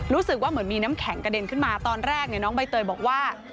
รู้สึกว่าเหมือนมีน้ำแข็งกระเด็นขึ้นมาตอนแรกน้องใบเตยบอกว่า